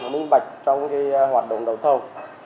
nâng bạch trong hoạt động đầu thâu